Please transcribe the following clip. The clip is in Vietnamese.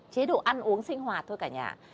chế độ ăn uống sinh hoạt thôi cả nhà